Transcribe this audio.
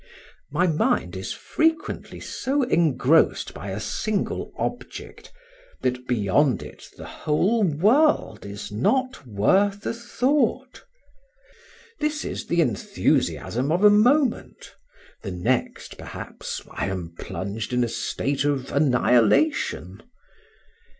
My mind is frequently so engrossed by a single object, that beyond it the whole world is not worth a thought; this is the enthusiasm of a moment, the next, perhaps, I am plunged in a state of annihilation.